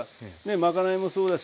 まかないもそうだし